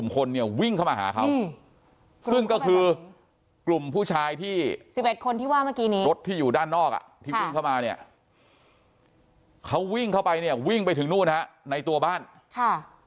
โอ้็ต้องวิ่งแล้วเขาวิ่งเลยเพราะว่าเขาเห็นกลุ่มคนวิ่งเข้ามาหาเขา